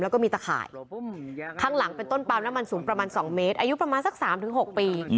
ข้างหลังเป็นต้นปลามน้ำมันสูงประมาณ๒เมตรอายุประมาณสัก๓๖ปี